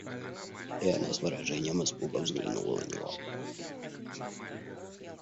И она с выражением испуга взглянула на него.